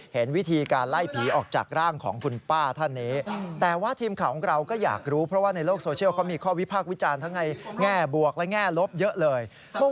เห็นวิธีการไล่ผีออกจากร่างของคุณป้าท่านเนย